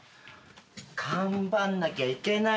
頑張んなきゃいけないのに。